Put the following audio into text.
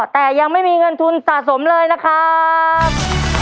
แต่ยังไม่มีเงินทุนสะสมเลยนะครับ